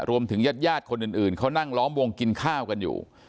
ญาติญาติคนอื่นเขานั่งล้อมวงกินข้าวกันอยู่